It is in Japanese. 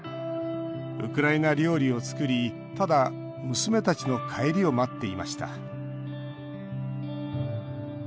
ウクライナ料理を作りただ、娘たちの帰りを待っていました。